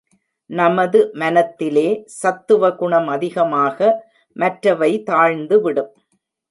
நமது மனத்திலே சத்துவகுணம் அதிகமாக மற்றவை தாழ்ந்து விடும்.